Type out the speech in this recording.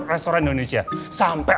restoran indonesia sampai